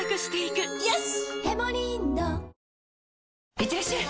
いってらっしゃい！